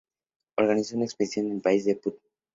Organizó una expedición al país de Punt.